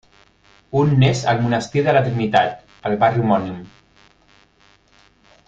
Un n'és el monestir de la Trinitat, al barri homònim.